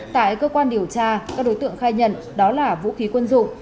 tại cơ quan điều tra các đối tượng khai nhận đó là vũ khí quân dụng